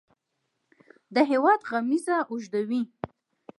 د هیواد غمیزه اوږدوي.